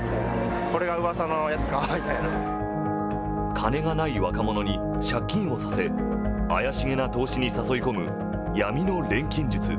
金がない若者に借金をさせ怪しげな投資に誘い込む闇の錬金術。